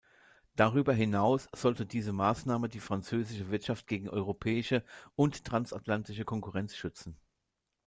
Darüber hinaus sollte diese Maßnahme die französische Wirtschaft gegen europäische und transatlantische Konkurrenz schützen.